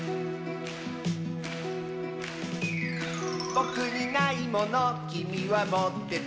「ぼくにないものきみはもってて」